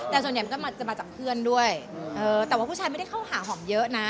แต่ส่วนใหญ่มันก็จะมาจากเพื่อนด้วยแต่ว่าผู้ชายไม่ได้เข้าหาหอมเยอะนะ